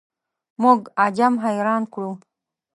موږ عجم حیران کړو.